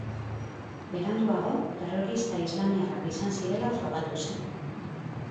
Beranduago, terrorista islamiarrak izan zirela frogatu zen.